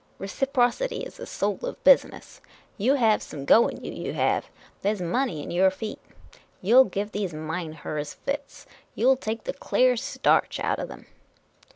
Reciprocity is the soul of business. You hev some go in you, you hev. There 's money in your feet. You '11 give these Meinherrs fits. You '11 take the clear starch out of them."